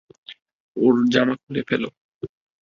ওর জামা খুলে ফেলো!